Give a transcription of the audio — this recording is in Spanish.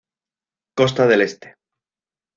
Costa del Este